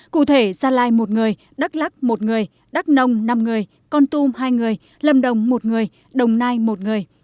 cụ thể gia lai một người đắk lắc một người đắk nông năm người con tum hai người lâm đồng một người đồng nai một người